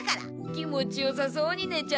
気持ちよさそうにねちゃって。